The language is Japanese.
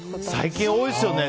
最近多いですよね。